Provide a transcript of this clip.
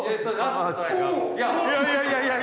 いやいやいやいや！